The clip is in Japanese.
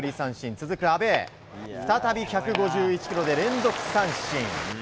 続く阿部再び１５１キロで連続三振。